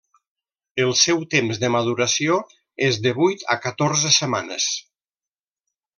El seu temps de maduració és de vuit a catorze setmanes.